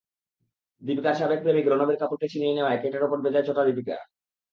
দীপিকার সাবেক প্রেমিক রণবীর কাপুরকে ছিনিয়ে নেওয়ায় ক্যাটের ওপর বেজায় চটা দীপিকা।